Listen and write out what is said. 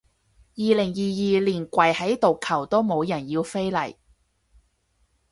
二零二二年跪喺度求都冇人要飛嚟